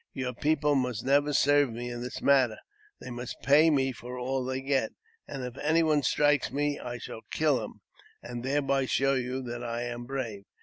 Your people must never serve me in that manner ; they must pay me for all they get ; and if any one strikes me, I shall kill him, and thereby show you that I am brave.